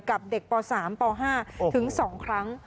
กับเด็กป๓ป๕ถึง๒ครั้ง